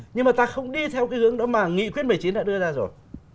nhưng mà ta không đi theo cái hướng đó mà nghị quyết một mươi chín đã đưa ra rồi